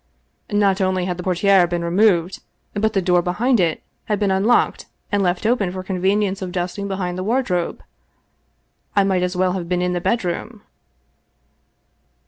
Not only had the portihe been removed, but the door behind it had been unlocked and left open for convenience of dusting behind the wardrobe. I might as well have been in the bedroom.